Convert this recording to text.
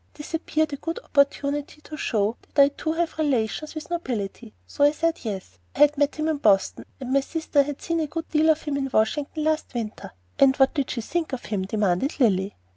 This appeared a good opportunity to show that I too have relations with the nobility, so I said yes, I had met him in Boston, and my sister had seen a good deal of him in Washington last winter. "'And what did she think of him?' demanded Lilly.